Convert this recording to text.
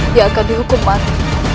dia akan dihukum mati